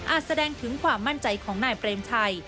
แสดงถึงความมั่นใจของนายเปรมชัย